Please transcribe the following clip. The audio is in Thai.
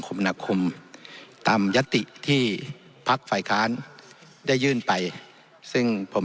มนาคมตามยติที่พักฝ่ายค้านได้ยื่นไปซึ่งผม